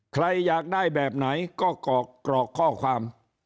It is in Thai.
ใครอยากได้แบบไหนก็กรอกข้อความ